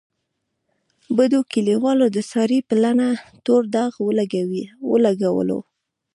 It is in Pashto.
بدو کلیوالو د سارې په لمنه تور داغ ولګولو.